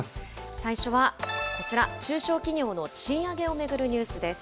最初はこちら、中小企業の賃上げを巡るニュースです。